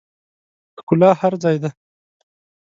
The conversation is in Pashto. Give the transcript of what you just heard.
ښکلا هر ځای ده